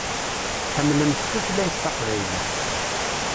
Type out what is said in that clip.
Tḥemmlemt tutlayt taqbaylit.